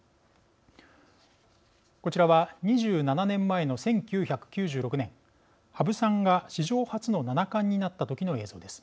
こちらは２７年前の１９９６年羽生さんが史上初の七冠になった時の映像です。